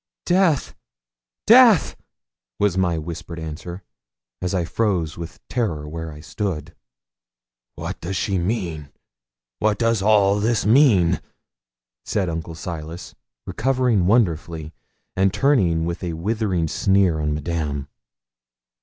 'Death! death!' was my whispered answer, as I froze with terror where I stood. 'What does she mean? what does all this mean?' said Uncle Silas, recovering wonderfully, and turning with a withering sneer on Madame.